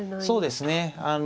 そうですね。